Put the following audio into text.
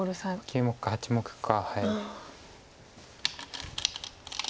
９目か８目か。